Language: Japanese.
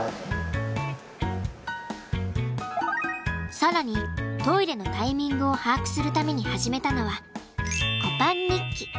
更にトイレのタイミングを把握するために始めたのはこぱん日記。